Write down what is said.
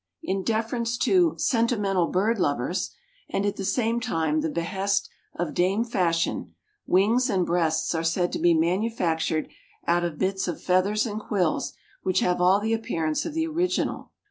In deference to "sentimental" bird lovers and at the same time the behest of Dame Fashion, wings and breasts are said to be manufactured out of bits of feathers and quills which have all the appearance of the original.